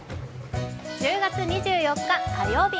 １０月２４日火曜日